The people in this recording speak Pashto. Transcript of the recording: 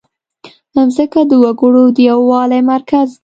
مځکه د وګړو د یووالي مرکز ده.